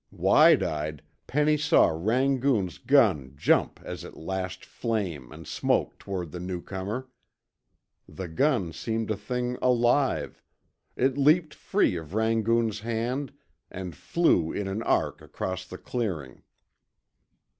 Wide eyed, Penny saw Rangoon's gun jump as it lashed flame and smoke toward the newcomer. The gun seemed a thing alive it leaped free of Rangoon's hand and flew in an arc across the clearing.